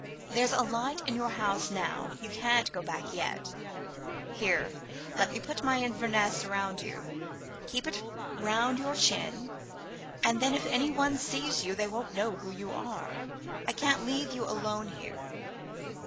There's a light in your house now. You can't go back yet. Here, let me put my Inverness round you. Keep it up round your chin, and then if anyone sees you they won't know who you are. I can't leave you alone here.